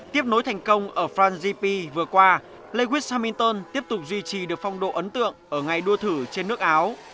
tiếp nối thành công ở france gp vừa qua lewis hamilton tiếp tục duy trì được phong độ ấn tượng ở ngày đua thử trên nước áo